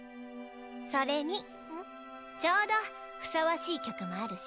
ちょうどふさわしい曲もあるし。